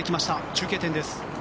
中継点です。